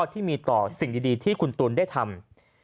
ที่มีต่อสิ่งดีที่คุณตูนได้ทำ